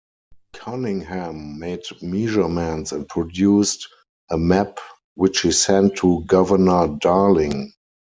Cunningham made measurements and produced a map which he sent to Governor Darling.